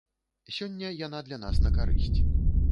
Сёння яна для нас на карысць.